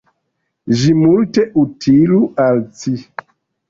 Ĝi multe utilu al ci!